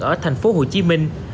ở thành phố hồ chí minh